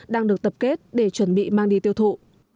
đang được tập kết để chuẩn bị mang đi tiêu thụ